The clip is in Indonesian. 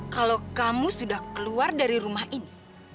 kalau kamu sudah keluar dari rumah ini